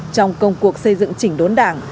trong công cuộc xây dựng chỉnh đốn đảng